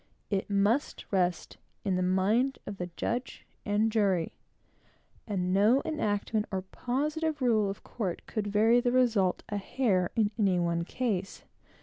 It must rest in the mind of the judge and jury; and no enactment or positive rule of court could vary the result a hair, in any one case.